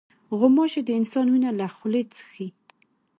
غوماشې د انسان وینه له خولې څښي.